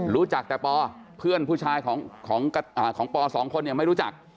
รู้จักแต่ปเพื่อนผู้ชายของป๒คนไม่รู้จัก